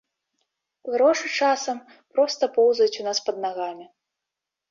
Грошы часам проста поўзаюць у нас пад нагамі.